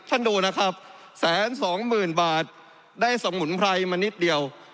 ดูนะครับแสนสองหมื่นบาทได้สมุนไพรมานิดเดียว